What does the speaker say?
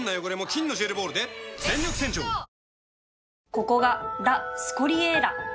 ここがラ・スコリエーラ